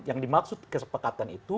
yang dimaksud kesepakatan itu